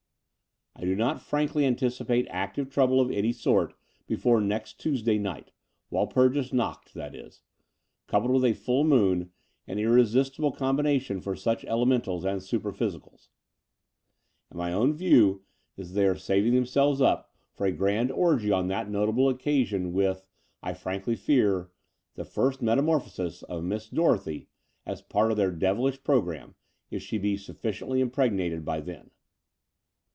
"I do not frankly anticipate active trouble of any sort before next Tuesday night — Walpurgis Nackt that is, coupled with full moon, an irresistible combination for such elementals and superphysicals — ^and my own view is that they are saving themselves up for a The Dower House 241 grand orgy on that notable occasion with, I frankly fear, the first metamorphosis of Miss Dorothy as part of their devilish programme, if she be suffi ciently impregnated by then.